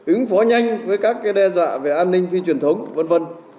ứng phó nhanh với các đe dọa về an ninh phi truyền thống v v